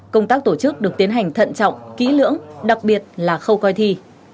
công tác tổ chức được tiến hành thận trọng kỹ lưỡng đặc biệt là khâu coi thi